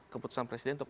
keputusan presiden untuk